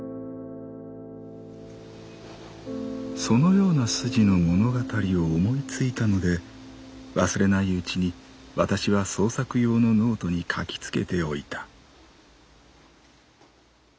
「そのような筋の物語を思いついたので忘れないうちにわたしは創作用のノートに書きつけておいた」。